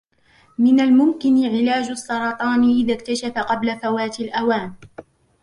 من الممكن علاج السرطان إذا اكتشف قبل فوات الأوان.